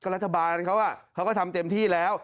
รัฐบาลเขาก็ทำเต็มที่แล้ว